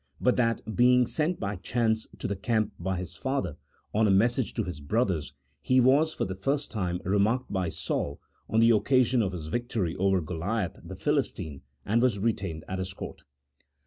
but that being sent by chance to the camp by his father on a message to his brothers, he was for the first time remarked by Saul on the occasion of his victory over Goliath the Philistine, and was retained at his court.